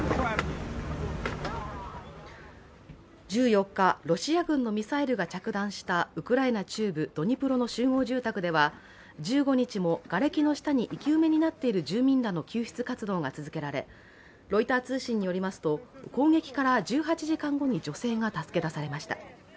１４日、ロシア軍のミサイルが着弾したウクライナ中部ドニプロの集合住宅では１５日もがれきの下に生き埋めになっている住民らの救出活動が続けられ、ロイター通信によりますと攻撃から１８時間後に女性が助け出されました。